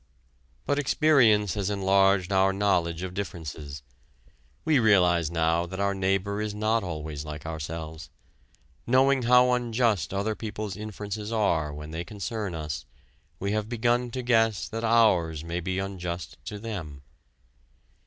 But experience has enlarged our knowledge of differences. We realize now that our neighbor is not always like ourselves. Knowing how unjust other people's inferences are when they concern us, we have begun to guess that ours may be unjust to them.